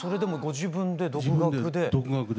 自分で独学で。